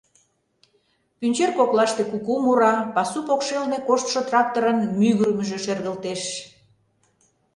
Пӱнчер коклаште куку мура, пасу покшелне коштшо тракторын мӱгырымыжӧ шергылтеш.